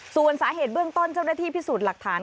ส่วนสาเหตุเบื้องต้นเจ้าหน้าที่พิสูจน์หลักฐาน